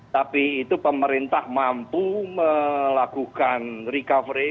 tapi itu pemerintah mampu melakukan recovery